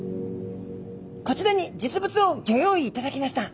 こちらに実物をギョ用意いただきました。